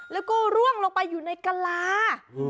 แล้วก็ร่วงลงไปอยู่ในกะลา